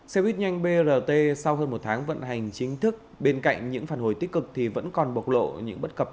xe buýt nhanh brt sau hơn một tháng vận hành chính thức bên cạnh những phản hồi tích cực thì vẫn còn bộc lộ những bất cập